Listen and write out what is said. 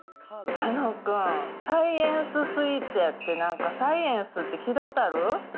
楽君、サイエンススイーツやって、なんかサイエンスって聞いたことある？